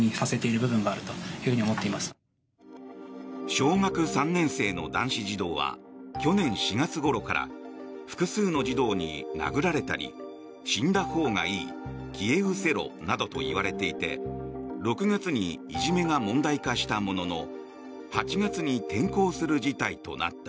小学３年生の男子児童は去年４月ごろから複数の児童に殴られたり死んだほうがいい消え失せろなどと言われていて６月にいじめが問題化したものの８月に転校する事態となった。